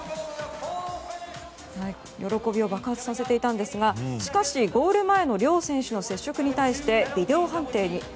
喜びを爆発させていたんですがしかし、ゴール前の両選手の接触に対してビデオ判定に。